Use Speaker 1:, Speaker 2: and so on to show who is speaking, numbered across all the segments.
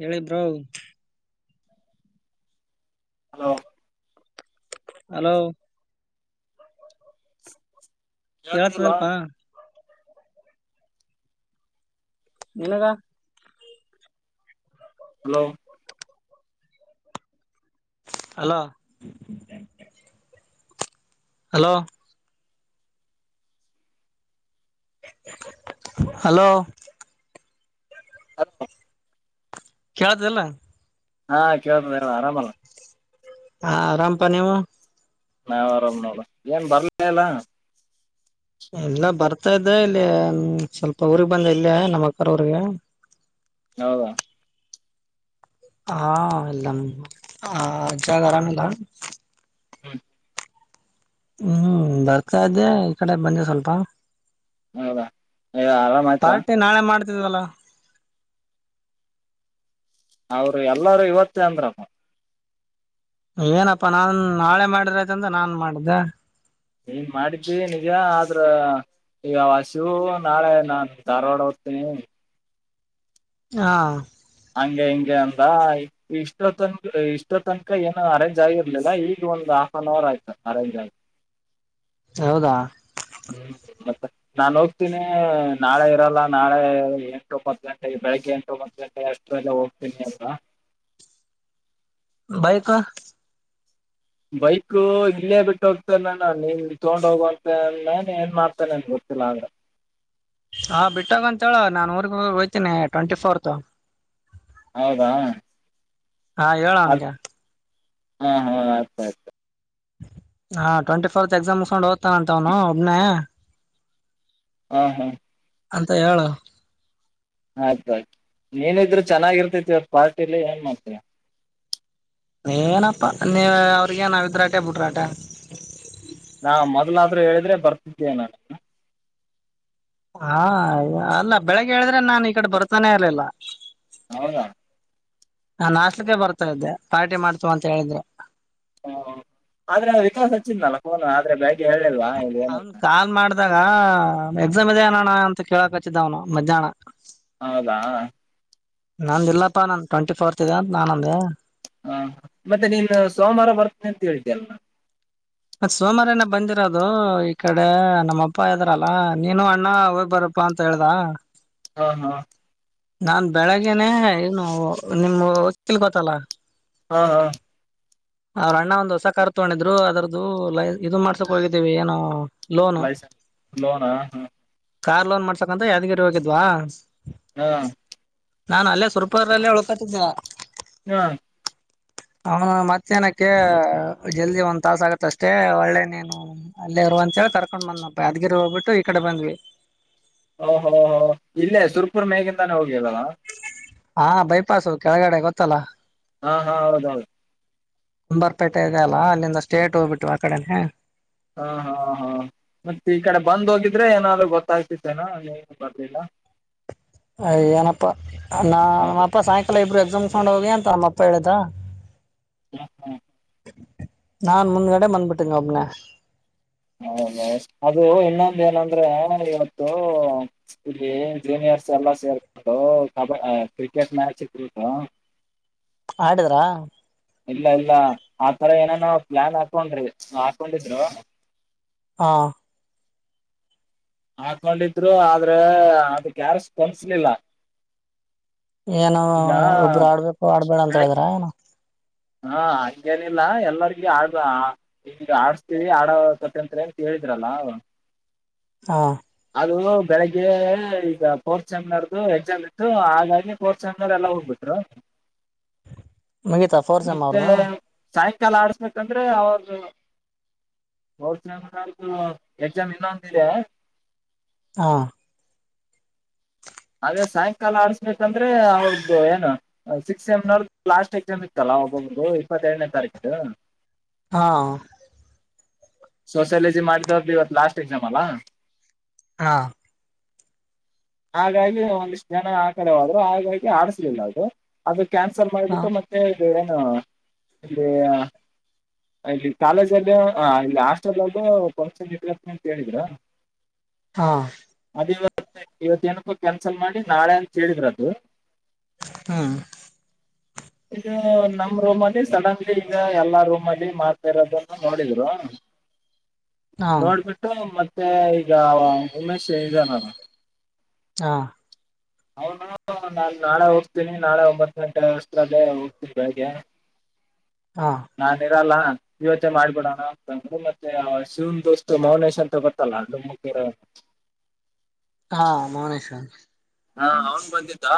Speaker 1: ಹೇಳಿ bro.
Speaker 2: Hello.
Speaker 1: Hello.
Speaker 2: [inaudible] ಕೇಳ್ತಿಲ್ಲ
Speaker 1: ಕೇಳತದಲ್ಪಾ. ನಿನಗ.
Speaker 2: Hello.
Speaker 1: Hello. Hello. Hello.
Speaker 2: Hello
Speaker 1: ಕೇಳ್ತದಿಲ್ಲ
Speaker 2: ಹಾ ಕೀಳ್ತದೇಳ ಆರಮಲ.
Speaker 1: ಹಾ ಆರಾಮ್ಪ ನೀವು
Speaker 2: ನಾವ್ ಆರಾಮ್ ನೋಡ ಏನ್ ಬರ್ಲ ಇಲ್ಲ.
Speaker 1: ಎಲ್ಲ ಬರ್ತಾ ಇದ್ದೆ ಇಲ್ಲಿ ಸ್ವಲ್ಪ ಊರಿಗ್ ಬಂದ ಇಲ್ಲೆ ನಮ್ಮಕಾರ ಊರಿಗೆ
Speaker 2: ಹೌದಾ
Speaker 1: ಹಾ ಇಲ್ ನಮ್ ಆ ಅಜ್ಜಾಗರಮಿಲ್ಲ
Speaker 2: ಹ್ಮ
Speaker 1: ಹ್ಮ್ ಬರ್ತಾ ಇದ್ದೆ ಈ ಕಡೆ ಬಂದೆ ಸ್ವಲ್ಪ.
Speaker 2: ಹೌದಾ ಆರಾಮ ಆಯ್ತಾ.
Speaker 1: ಇಲ್ವಲ [unintelligible]
Speaker 2: ಅವ್ರು ಎಲ್ಲಾರೂ ಇವತ್ತೇ ಅಂದ್ರಪ.
Speaker 1: ಏನಪ ನಾನ್ ನಾಳೆ ಮಾಡಿದ್ರಾತಂಡ್ ನಾನ್ ಮಾಡ್ದೆ
Speaker 2: ನೀ ಮಾಡಿದ್ದಿ ನಿಜ ಆದ್ರ ಈಗ ಆಸಿವ್ ನಾಳೆ ನಾನ್ ಧಾರವಾಡ ಹೋಗ್ತೀನಿ
Speaker 1: ಹ
Speaker 2: ಹಂಗೆ ಹಿಂಗೆ ಅಂದ ಇಷ್ಟ ತನಕ ಇಷ್ಟೊ ತನಕ ಏನು ಅರೇಂಜ್ ಆಗಿರ್ಲಿಲ್ಲ ಈಗ ಒಂದು ಆಫ್ ಆನ್ ಅವರ್ ಆಯ್ತು ಅರೇಂಜ್ ಆಗಿ.
Speaker 1: ಹೌದ
Speaker 2: ಹ್ಮ್ ಮತ್ತ ನಾನ್ ಹೋಗ್ತೀನಿ ನಾಳೆ ಇರಲ್ಲ ನಾಳೆ ಎಂಟು ಒಂಬತ್ ಗಂಟೆಗೆ ಬೆಳಿಗ್ಗೆ ಎಂಟು ಒಂಬತ್ ಗಂಟೆಗೆ ಅಷ್ಟ್ರಲಿ ಹೋಗ್ತೀನಿ ಅಂದ [unintelligible]
Speaker 1: ಬೈಕು
Speaker 2: ಬೈಕು ಇಲ್ಲೇ ಬಿಟ್ಟು ಹೋಗ್ತನೇನು ನೀನ್ ತೊಗೊಂಡ್ ಹೋಗುವಂತ ಅಂದ್ನೆನ್ ಏನ್ ಮಾಡ್ತೇನೆಂತ ಗೊತ್ತಿಲ್ಲ ಆದ್ರ.
Speaker 1: ಹಾ ಬಿಟ್ಟೋಗ ಅಂತ ಹೇಳ ನಾನ್ ಊರ್ಗ್ ಹೋಗಾಗ್ ಹೊಯ್ತೀನಿ ಟ್ವೆಂಟಿ ಫೋರ್ತ್.
Speaker 2: ಹೌದ
Speaker 1: ಹ ಹೇಳ್ ಅವನ್ಗೆ.
Speaker 2: ಹು ಹು ಅರ್ಥ ಆಯ್ತ್.
Speaker 1: ಹಾ ಟ್ವೆಂಟಿ ಫೋರ್ತ್ ಎಕ್ಸಾಮ್ ಉಸ್ಕೊಂಡ ಹೋತ್ ತನಂತ ಅವ್ನು ಒಬ್ನೇ
Speaker 2: ಹಾ ಹಾ
Speaker 1: ಅಂತ ಹೇಳು
Speaker 2: ಆಯ್ತ ಆಯ್ತು ನೀನಿದ್ರು ಚೆನ್ನಾಗಿರ್ತೇತಿವತ್ ಪಾರ್ಟಿಲಿ ಏನ್ ಮಾಡ್ತಿ.
Speaker 1: ಏನಪ್ಪಾ ನೀವ್ ಅವ್ರಗೇನ್ ನಾವಿದ್ರಾಟೆ ಬುಡ್ರಾಟೆ [unintelligible]
Speaker 2: ನಾ ಮೊದ್ಲಾದ್ರು ಹೇಳಿದ್ರೆ ಬರ್ತಿದ್ದೆ ನಾನು.
Speaker 1: ಹಾ ಅಲ್ಲ ಬೆಳಿಗ್ಗೆ ಹೇಳಿದ್ರೆ ನಾನ್ ಈ ಕಡೆ ಬರ್ತಾನೇ ಇರ್ಲಿಲ್ಲ.
Speaker 2: ಹೌದ
Speaker 1: ನಾನ್ ಆಸ್ಲಿಕ್ಕೆ ಬರ್ತಾ ಇದ್ದೆ ಪಾರ್ಟಿ ಮಾಡ್ತಿವ್ ಅಂತ ಹೇಳಿದ್ರ.
Speaker 2: ಹ ಆದ್ರೆ ವಿಕಾಸ್ ಹಚ್ಚಿದ್ನಲ್ಲ ಫೋನ್ ಆದ್ರೆ ಬ್ಯಾ
Speaker 1: ಅವನ್ ಕಾಲ್ ಮಾಡ್ದಾಗ ಹ ಎಕ್ಸಾಮ್ ಇದೇನಣ್ಣ ಅಂತ ಕೇಳಕ್ ಹಚ್ಚಿದ್ದ ಅವ್ನು ಮಧ್ಯಾನ.
Speaker 2: ಹೌದಾ
Speaker 1: ನಂದ್ ಇಲ್ಲಪ್ಪಾ ನನ್ ಟ್ವೆಂಟಿ ಫೋರ್ತ್ ಇದೆ ಅಂತ ನಾನಂದೆ
Speaker 2: ಹಾ ಮತೆ ನೀನು ಸೋಮಾರ ಬರ್ತೀನಂತ ಹೇಳಿದ್ದಲ.
Speaker 1: ಸೋಮಾರನೇ ಬಂದಿರೋದು ಈ ಕಡೆ ನಮ್ಮ ಅಪ್ಪ ಇದ್ರಲ ನೀನು ಅಣ್ಣ ಹೋಗ್ ಬರಪ್ಪಾ ಅಂತ ಹೇಳ್ದ
Speaker 2: ಹ ಹ
Speaker 1: ನಾನ್ ಬೆಳಗ್ಗೆನೇ ಇನ್ನು ನಿಮ್ ಹೊಕ್ಕಿಲ್ ಗೊತಲ
Speaker 2: ಹಾ ಹಾ
Speaker 1: ಅವ್ರ ಅಣ್ಣ ಒಂದು ಹೊಸ ಕಾರ್ ತಗೊಂಡಿದ್ರು ಅದರ್ ದು ಲೈ ಇದು ಮಾಡ್ಸಕ್ ಹೋಗಿದ್ದೀವಿ ಏನೋ
Speaker 2: ಲೈಸೆನ್ಸ್ [unintelligible] ಲೋನಾ
Speaker 1: ಕಾರ್ ಲೋನ್ ಮಾಡ್ಸಕಂತ ಯಾದ್ಗಿರಿ ಹೋಗಿದ್ವಾ
Speaker 2: ಹಾ
Speaker 1: ನಾನ್ ಅಲ್ಲೆ ಸುರಪುರಲ್ಲೆ ಉಳ್ಕೊಂತಿದ್ದ
Speaker 2: ಹ
Speaker 1: ಅವನ್ ಮತ್ತೇನುಕ್ಕೆ ಜಲ್ದಿ ಒಂದ್ ತಾಸ ಆಗತ್ ತ್ತಷ್ಟೇ ಒಳ್ಳೆ ನೀನು ಅಲ್ಲೇ ಇರುವಂತ ಹೇಳಿ ಕರ್ಕೊಂಡ್ ಬಂದಪ್ಪ ಯಾದಗಿರಿ ಹೋಗ್ಬಿಟ್ಟು ಈ ಕಡೆ ಬಂದ್ವಿ.
Speaker 2: ಓ ಹೋ ಹೋ ಇಲ್ಲೆ ಸುರ್ಪುರ್ ಮೇಗಿಂದನೇ ಹೋಗಿಯಲ್ಲಣ
Speaker 1: ಹಾ ಬೈಪಾಸು ಕೆಳಗಡೆ ಗೊತ್ತಲ.
Speaker 2: ಹಾ ಹಾ ಹೌದೌದು.
Speaker 1: ಕುಂಬಾರಪೇಟೆ ಇದೆಯಲ ಅಲ್ಲಿಂದ ಸ್ಟೇಟ್ ಹೋಗ್ಬಿಟ್ಟು ಆ ಕಡನೆ
Speaker 2: ಹಾ ಹಾ ಹಾ ಮತ್ತೆ ಈ ಕಡೆ ಬಂದ್ ಹೋಗಿದ್ರೆ ಏನಾದ್ರು ಗೊತ್ತಾಗ್ತಿತ್ತೇನಾ ನೀವ್ ಬಂದಿಲ
Speaker 1: ಅಯ ಏನಪ್ಪಾ ನ
Speaker 2: ಹಾಗೆ
Speaker 1: ನಮ್ಮಪ್ಪ ಸಾಯಂಕಾಲ ಇಬ್ರು ಮೂಸ್ಕೊಂಡ್ ಹೋಗಿ ಅಂತ ನಮ್ಮ ಅಪ್ಪ ಹೇಳಿದ್ದ
Speaker 2: ಹಾ ಹಾ
Speaker 1: ನಾನ್ ಮುಂದಗಡೆ ಬಂದ್ಬುಟ್ಟಿನಿ ಒಬ್ನೇ.
Speaker 2: ಹೌದ ಅದು ಇನ್ನೊಂದ ಏನಂದ್ರೆ ಇವತ್ತು ಇಲ್ಲಿ ಜೂನಿಯರ್ಸ್ ಎಲ್ಲ ಸೇರ್ಕಂಡು ಕಬಡ್ ಕ್ರಿಕೆಟ್ ಮ್ಯಾಚ್ ಇಟುಡ್ರು
Speaker 1: ಹಾಡಿದ್ರಾ
Speaker 2: ಇಲ್ಲ ಇಲ್ಲ ಆ ತರ ಏನ ನೋ ಪ್ಲಾನ್ ಹಾಕೊಂಡ್ರಿ ಹಾಕೊಂಡಿದ್ರು
Speaker 1: ಹಾ
Speaker 2: ಹಾಕೊಂಡಿದ್ರು ಆದ್ರ ಅದಕ್ ಯಾರ್ ಸ್ಪಂದಿಸಲಿಲ್ಲ.
Speaker 1: ಏನು ಒಬ್ರು ಆಡ್ಬೇಕು ಆಡ್ಬೇಡ ಅಂತ ಹೇಳಿದ್ರ ಏನ
Speaker 2: ಹಾ ಹಂಗೇನಿಲ್ಲ ಎಲ್ಲರಿಗ ಆ ಹ ಆಡ್ಸ್ತೀವಿ ಆಡ ಕತಂರಿ ಅಂತ ಹೇಳಿದ್ರಲ್ಲ ಅವ್
Speaker 1: ಹಾ
Speaker 2: ಅದು ಬೆಳಿಗ್ಗೆ ಈಗ ಫೋರ್ತ್ ಸೆಮಿನರ್ದು ಎಕ್ಸಾಮ್ ಇತ್ತು ಹಾಗಾಗಿ ಫೋರ್ತ್ ಸೆಮಿನರ್ ಎಲ್ಲ ಹೋಗ್ಬಿಟ್ರು.
Speaker 1: ಮುಗಿತ ಫೋರ್ತ್ ಸೇಮ್
Speaker 2: ಮತ್ತೆ
Speaker 1: ಅವರ್ದು.
Speaker 2: ಸಾಯಂಕಾಲ ಆಡ್ಸ್ಬೇಕಂದ್ರೆ ಅವ್ರ [unintelligible] ಎಕ್ಸಾಮ್ ಇನ್ನೊಂದಿದೆ
Speaker 1: ಹಾ
Speaker 2: ಅದೇ ಸಾಯಂಕಾಲ ಆಡ್ಸ್ಬೇಕಂದ್ರೆ ಅವ್ರ್ದು ಏನು ಸಿಕ್ಸ್ ಸೆಮ್ ನೋರ್ಡ್ ಲಾಸ್ಟ್ ಎಕ್ಸಾಮ್ ಇತ್ತಲ್ಲ ಒಬ್ಬೊಬು ಇಪ್ಪತ್ತೆರಡನೇ ತಾರೀಕು
Speaker 1: ಹಾ
Speaker 2: ಸೋಸಿಯಾಲಜಿ ಮಾಡಿದೊರ್ದು ಇವತ್ ಲಾಸ್ಟ್ ಎಕ್ಸಾಮ್ ಅಲ
Speaker 1: ಹಾ
Speaker 2: [unintelligible] ಹಾಗಾಗಿ ಒಂದಿಷ್ಟ ಜನ ಆ ಕಡೆ ಓದ್ರು ಹಾಗಾಗಿ ಆಡಿಸ್ಲಿಲ ಅದು ಅದಕ್ ಕ್ಯಾನ್ಸಲ್
Speaker 1: ಹಾ
Speaker 2: ಮಾಡಿಬಿಟ್ಟು ಮತ್ತೆ ತೀವ್ರೇನೋ [unintelligible] ಇಲ್ಲಿ ಹ ಅಲ್ಲಿ ಕಾಲೇಜಗ ಹ ಆಸ್ ಷ್ಟಲದಗ ಫಂಕ್ಷನ್ ಇಟುಗಂಟ್ನಿ ಅಂತ ಹೇಳಿದ್ರು
Speaker 1: ಹಾ
Speaker 2: ಇವತ್ತು ಎನಿಕೊ ಕ್ಯಾನ್ಸಲ್ ಮಾಡಿ ನಾಳೆ ಅಂತ ಹೇಳಿದ್ರದು.
Speaker 1: ಹ್ಮ್
Speaker 2: ಇದು ನಮ್ ರೂಮ್ ಅಲ್ಲಿ ಸಡನ್ಲಿ ಇಂಗ ಎಲ್ಲಾ ರೂಮಲ್ಲಿ ಮಾಡ್ತಾ ಇರೋದನ್ನು ನೋಡಿದ್ರು
Speaker 1: ಹಾ
Speaker 2: ನೋಡ್ಬಿಟ್ಟು ಮತ್ ಮತ್ತೆ ಈಗ ಉಮೇಶ್ ಐದನಲ
Speaker 1: ಹಾ
Speaker 2: ಅವ್ನು ನಾನ್ ನಾಳೆ ಹೋಗ್ತೀನಿ ನಾಳೆ ಒಂಬತ್ ಗಂಟೆ ಆಸ್ಟ್ರೇಲಿ ಹೋಗ್ತೀನಿ ಬೆಳಿಗ್ಗೆ
Speaker 1: ಹಾ
Speaker 2: ಇರಲ್ಲ ಇವತ್ತೇ ಮಾಡ್ಬಿಡೋಣ ಅಂತಂದ್ರರು ಮತ್ತೆ ಆ ಶಿವನ್ ದೋಸ್ತ್ ಮೌನೇಶ್ ಅಂತ ಗೊತ್ತಲ್ಲ ಡುಮ್ಮಕ್ ಇರೋನ್.
Speaker 1: ಹಾ ಮೌನೇಶ
Speaker 2: ಹಾ ಅವನ್ ಬಂದಿದ್ದಾ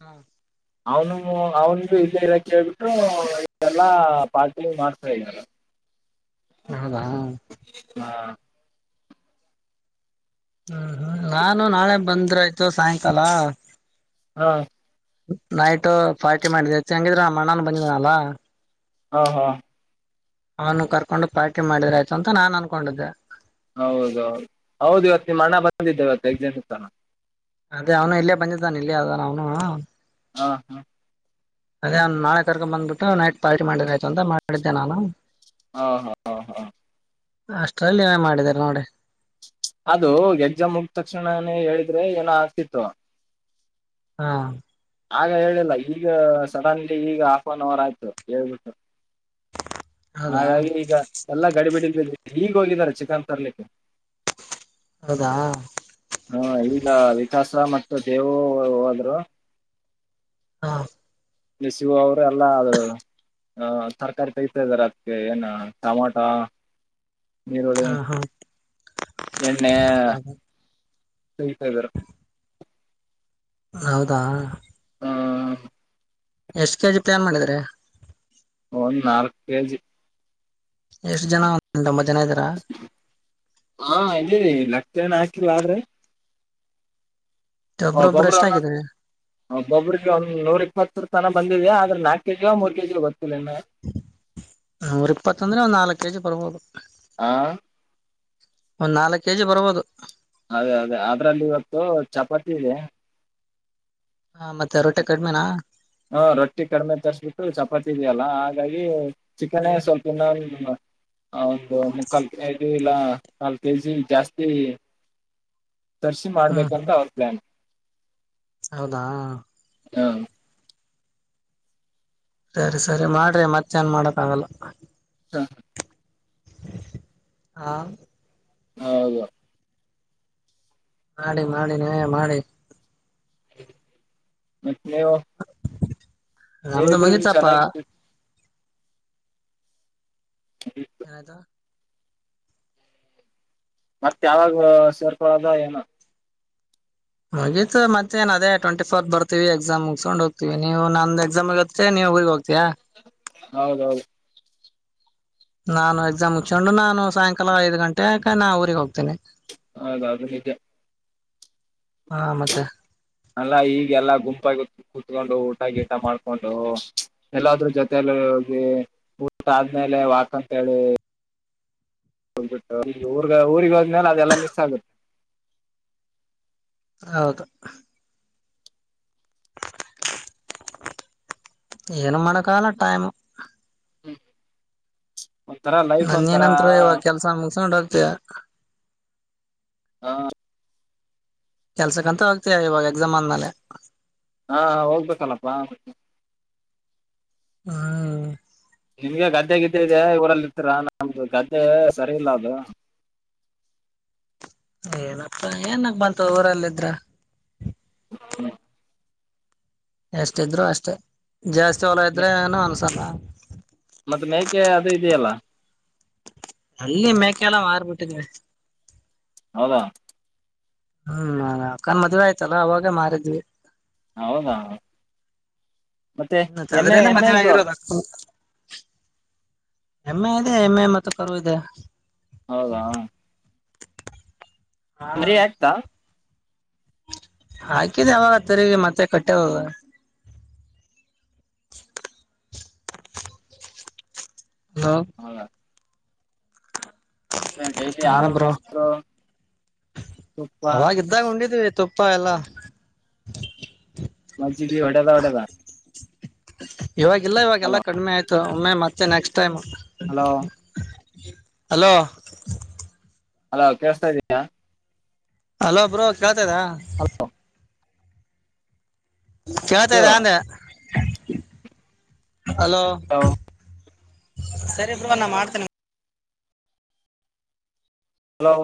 Speaker 1: ಹಾ
Speaker 2: ಅವ್ನು ಅವನು ಇದೇ ಇರಕ್ಕೆ ಕೇಳ್ಬಿಟ್ಟು ಇದೆಲ್ಲಾ ಪಾರ್ಟಿ ಮಾಡ್ತಾ ಇದರ.
Speaker 1: ಹೌದಾ
Speaker 2: ಹಾ
Speaker 1: ಹ್ಮ್ ಹ್ಮ್ ನಾನು ನಾಳೆ ಬಂದ್ರ ಆಯ್ ತು ಸಾಯಂಕಾಲ
Speaker 2: ಹಾ
Speaker 1: ನೈಟ್ ಪಾರ್ಟಿ ಮಾಡಿದ್ರ ಆಯ್ತ್ ಹೆಂಗಿದ್ರ ನಮ್ ಅಣ್ಣನ್ ಬಂದಿದನಲ್ಲ
Speaker 2: ಹಾ ಹಾ
Speaker 1: ಅವನು ಕರ್ಕೊಂಡು ಪಾರ್ಟಿ ಮಾಡಿದ್ರ ಆಯ್ತು ಅಂತ ನಾನ್ ಅನ್ಕೊಂಡಿದ್ದೆ.
Speaker 2: ಹೌದೌದು ಹೌದು ಇವತ್ತು ನಿಮ್ ಹಣ್ಣ ಬಂದಿದ ಇವತ್ ಎಕ್ಸಾಮ್ ಇತ್ತಲ.
Speaker 1: ಅದೇ ಅವ್ನು ಇಲ್ಲೇ ಬಂದಿದ್ದಾನ ಇಲ್ಲಿ ಅದನ ಅವ್ನು
Speaker 2: ಹಾ ಹಾ
Speaker 1: ಅದೇ ನಾಳೆ ಕರ್ಕೊಂಡು ಬಂದ್ಬಿಟ್ಟು ನೈಟ್ ಪಾರ್ಟಿ ಮಾಡಿದ್ರ ಆಯ್ತು ಅಂತ ಮಾಡಿದ್ದೆ ನಾನು.
Speaker 2: ಹಾ ಹಾ ಹ ಹಾ
Speaker 1: ಅಷ್ಟ್ರಲ್ಲಿ ನೀವೇ ಮಾಡಿದ್ರಿ ನೋಡಿ.
Speaker 2: ಅದು ಎಜ್ಜಾಮುಗಡ್ ತಕ್ಷಣಾನೇ ಹೇಳಿದ್ರೆ ಏನೋ ಆಗ್ತಿತ್ತು.
Speaker 1: ಹಾ
Speaker 2: ಆಗ ಹೇಳಿಲ್ಲ ಈಗ ಸಡನ್ಲಿ ಈಗ ಹಾಫ್ ಆನ್ ಅವರ್ ಆಯ್ತು ಹೇಳ್ಬಿಟ್ಟು.
Speaker 1: ಹೌದಾ
Speaker 2: ಹಾಗಾಗಿ ಈಗ ಎಲ್ಲಾ ಗಡಿಬಿಡಿ ಗಡಿ ಈಗ ಹೋಗಿದರೆ ಚಿಕನ್ ತರ್ಲಿಕ್ಕೆ.
Speaker 1: ಹೌದಾ
Speaker 2: ಹಾ ಇಲ್ಲ ವಿಕಾಸ್. ಸಮ ಮತ್ತೆ ದೇವು ಹೋದ್ರು.
Speaker 1: ಹಾ
Speaker 2: ನಿಸ ಅವರು. ಎಲ್ಲ ಆದ್ರನು. ಹ ತರ್ಕಾರಿ ಕೈಸ ಇದ್ದಾರೆ ಅದಕ್ಕೆ ಏನ ಟಮೊಟ. ನೀರುಳ್ಳಿ
Speaker 1: ಹಾ ಹಾ
Speaker 2: ಎಣ್ಣೆ. ತಗಿತಾ ಇದ್ದಾರ.
Speaker 1: ಹೌದಾ.
Speaker 2: ಆ,
Speaker 1: ಎಷ್ಟ್ ಕೆ ಜಿ ಪ್ಲಾನ್ ಮಾಡಿದ್ರ.
Speaker 2: ಒಂದ್ ನಾಲ್ಕು ಕೆ ಜಿ.
Speaker 1: ಎಷ್ಟು ಜನ ಉಂಟ ಮತ್ತೆ.
Speaker 2: ಹಾ ಇದಿವಿ ಲೆಕ್ಕೆನ ಆ ಆದ್ರೆ.
Speaker 1: ಒಬ್ರೊಬ್ರು
Speaker 2: ಒಬೊಬ್ಬರು
Speaker 1: ಎಷ್ಟ
Speaker 2: ಒಂದೊಂದು
Speaker 1: ಆಗಿದ್ರಿ
Speaker 2: ಒಬೊಬ್ಬ್ರಿಗೆ ನೂರ ಇಪ್ಪತ್ರ್. ತನ ಬಂದಿದೆ ಅದ್ರೆ ನಾಕ ಕೆ ಜಿ ಮೂರ್ ಕೆ ಜಿ ಗೋ
Speaker 1: ನೂರು ಇಪ್ಪತ್ತ ಅಂದ್ರೆ ಒಂದು ನಾಲ್ಕು ಕೆಜಿ ಬರಬೋದು.
Speaker 2: ಆ
Speaker 1: ಒಂದ್ ನಾಲ್ಕಕ್ ಕೆಜಿ ಬರ್ಬೋದು.
Speaker 2: ಅದೇ ಅದೇ ಅದ್ರಲ್ಲಿ ಇವತ್ತು ಚಪಾತಿ ಇದೆ.
Speaker 1: ಹಾ ಮತ್ತೆ ರೊಟೆ ಕಡಿಮೆನಾ.
Speaker 2: ಹಾ ರೊಟ್ಟಿ ಕಡಿಮೆ ತರಿಸ್ಬಿಟ್ಟು ಚಪಾತಿ ಇದೆಯಲ್ಲ ಹಾಗಾಗಿ ಚಿಕನೇ ಸ್ವಲ್ಪ ಇನ್ನೊಂದು. ಹೌದು ಒಂದ್ಮುಕಾಲ್ ಕೆ ಇಲ್ಲ ಕಾಲ್ ಕೆ ಜಿ ಜಾಸ್ತಿ. ತರ್ಸಿ
Speaker 1: ಹ್ಮ್
Speaker 2: ಮಾಡ್ಬೇಕಂತ
Speaker 1: ಹ್ಮ್
Speaker 2: ಅವ್ರ ಪ್ಲಾನ್.
Speaker 1: ಹೌದಾ.
Speaker 2: ಹಾ.
Speaker 1: ಸರಿ ಸರಿ ಮಾಡ್ರಿ ಮತ್ತೆ ನಾನ್ ಮಾಡಕ್ ಆಗಲ್ಲ.
Speaker 2: [inaudible]
Speaker 1: ಆ.
Speaker 2: ಹೌದು.
Speaker 1: ಮಾಡಿ ಮಾಡಿ ನೀವೆ ಮಾಡಿ.
Speaker 2: [inaudible] ನೀವು.
Speaker 1: ನಮ್ದು
Speaker 2: ನೀವಿದ್ರೆ
Speaker 1: ಮುಗಿತಪ್ಪ.
Speaker 2: ಚೆನ್ನಾಗಿತ್ತು
Speaker 1: ಏನಾಯ್ತು
Speaker 2: ಮತ್ಯವಾಗ ಸೇರ್ಕೊಳ್ಳದ ಏನ
Speaker 1: ಮುಗೀತ್ ಮತ್ತೇನ್ ಅದೇ ಟ್ವೆಂಟಿ ಫೋರ್ತ್ ಬರ್ತೀವಿ ಎಕ್ಸಾಮ್ ಮುಗಸ್ಕೊಂಡ್ ಹೋಗ್ತೀವಿ ನೀವು ನಂದ ಎಕ್ಸಾಮ್ಗತ್ತೆ ನೀವು ಊರಿಗ್ ಹೋಗ್ತಿಯಾ
Speaker 2: ಹೌದೌದು
Speaker 1: ನಾನು ಎಕ್ಸಾಮ್ ಮುಚ್ಕೊಂಡು ನಾನು ಸಾಯಂಕಾಲ ಐದು ಗಂಟೆ ಕ ನಾ ಊರಿಗ್ ಹೋಗ್ತೀನಿ.
Speaker 2: ಹೌದ್ ಅದ್ ನಿಜ.
Speaker 1: ಹಾ ಮತೆ
Speaker 2: ಅಲ್ಲ ಈಗೆಲ್ಲ ಗುಂಪಾಗಿ ಕೂತ್ಕೊಂಡು ಊಟ ಗೀಟ ಮಾಡ್ಕೊಂಡು ಎಲ್ಲಾದ್ರ ಜೊತೆಯಲ್ಲಿ ಹೋಗಿ ಊಟ ಆದ್ಮೇಲೆ ವಾಕ್ಂತೇಳಿ ಗ್ಬಿಟ್ಟ ಊರ್ಗ ಊರಿಗೆ ಹೋದ್ಮೇಲ ಅದೆಲ್ಲಾ ಮಿಸ್ ಆಗುತ್ [unintelligible]
Speaker 1: ಹೌದು [unintelligible] ಏನು ಮಾಡಕಲ ಟೈಮ
Speaker 2: ಹ್ಮ್
Speaker 1: ನನ್ ಯೆನಂದ್ರು ಇವಗ ಕೆಲ್ಸ ಮುಗಸಗೊಂಡು ತ್ಯ [unintelligible]
Speaker 2: ಹಾ
Speaker 1: ಕೆಲ್ಸಕ್ಕಂತ ಹೋಗ್ತೀಯ ಇವಾಗ ಎಕ್ಸಾಮ್ ಆದ್ಮೇಲೆ.
Speaker 2: ಹಾ ಹೋಗ್ಬೇಕಲಪ ಮತೆ.
Speaker 1: ಹ್ಮ್
Speaker 2: ನಿಮ್ಗೆ ಗದ್ದೆ ಗಿದ್ದೆ ಇದೆ ಊರಲ್ಲಿ ಇರ್ತೀರ ನಮ್ದು ಗದ್ದೆ ಸರಿ ಇಲ್ಲ ಅದು.
Speaker 1: ಏನಪ್ಪ ಏನಗ ಬಂತ ಊರಲ್ಲಿದ್ರ
Speaker 2: [inaudible]
Speaker 1: ಎಷ್ಟ ಇದ್ರು ಅಷ್ಟೇ. ಜಾಸ್ತಿ ಹೊಲ
Speaker 2: ಮೆ-
Speaker 1: ಇದ್ರೆ ಏನು ಅನ್ಸಲ.
Speaker 2: ಮತ್ತೆ ಮೇಕೆ ಅದು ಇದೆಯಲ್ಲ.
Speaker 1: ಅಲ್ಲಿ ಮೇಕೆಲ್ಲ ಮಾರ್ಬಿಟಿದಿನಿ.
Speaker 2: ಹೌದ
Speaker 1: ಹ್ಮ್ ಅಕ್ಕನ್ ಮದ್ವೆ ಆಯ್ತಲ ಅವಾಗೇ ಮಾರಿದ್ವಿ.
Speaker 2: ಹೌದ
Speaker 1: ಮತೆ ಅದ್ರಲ್ಲೇ ಮದ್ವೆ ಆಗಿರೋದ ಅಕ್ಕಂದ್. [unintelligible] ಎಮ್ಮೆ ಇದೆ ಎಮ್ಮೆ ಮತ್ತೆ ಕರು ಇದೆ.
Speaker 2: ಹೌದಾ. ಮರಿ ಆಕ್ತಾ
Speaker 1: [unintelligible] ಆಕಿದೆ ಅವಾಗ ತಿರಿಗಿ ಮತ್ತೆ ಕಟ್ಟೆದದ. ಹಲೋ
Speaker 2: ಹೌದ ಅ ಡೈಲಿ
Speaker 1: ಹಾ
Speaker 2: ಹಾಲು
Speaker 1: ಬ್ರೋ
Speaker 2: ಮೋಸ್ರು [unintelligible] ತುಪ್ಪ
Speaker 1: ಪ್ಪ ಎಲ್ಲ
Speaker 2: [unintelligible] ತಿ ಒಡೆದ ಒಡೆದ
Speaker 1: ಇವವಾಗಿಲ್ಲ ಇವಾಗೆಲ್ಲ ಕಡಿಮೆ ಆಯ್ತು. ಒಮ್ಮೆ ಮತ್ತೆ next time
Speaker 2: hello
Speaker 1: [unintelligible] hello
Speaker 2: hello ಕೇಳ್ಸ್ತಾ ಇದಿಯಾ
Speaker 1: ಹಲೋಬ್ರೊ ಕೇಳ್ತಾದ. ಕೇಳ್ತಾ
Speaker 2: ಇದು
Speaker 1: ಇದೆ ಅಂದೆ. ಹಲೋ [unintelligible] ಸರಿ ಬ್ರೋ ನಾ ಮಾಡ್ತೀನ್
Speaker 2: ಹಲೋ